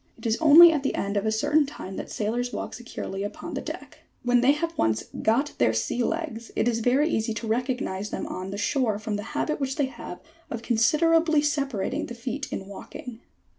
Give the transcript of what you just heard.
It is only at the end of a certain time that sailors walk securely upon the deck. When they have once M got their sea legs " it is very easy to recognise them on shore from the habit which they have of considerably separating the feet in walking.